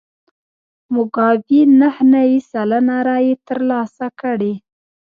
موګابي نهه نوي سلنه رایې ترلاسه کړې.